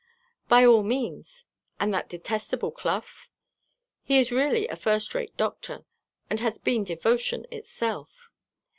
"By all means. And that detestable Clough?" "He is really a first rate doctor, and has been devotion itself."